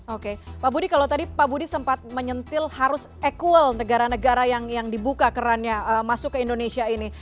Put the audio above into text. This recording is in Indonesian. oke pak budi kalau tadi pak budi sempat menyentil harus equal negara negara yang dibuka kerannya masuk ke indonesia ini